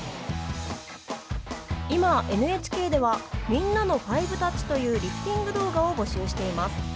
今、ＮＨＫではみんなの５タッチというリフティング動画を募集しています。